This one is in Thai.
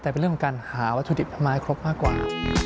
แต่เป็นเรื่องของการหาวัตถุดิบไม้ครบมากกว่า